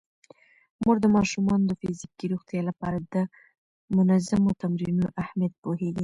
مور د ماشومانو د فزیکي روغتیا لپاره د منظمو تمرینونو اهمیت پوهیږي.